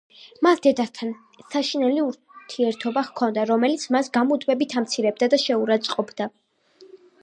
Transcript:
მას დედასთან საშინელი ურთიერთობა ჰქონდა, რომელიც მას გამუდმებით ამცირებდა და შეურაცხყოფდა.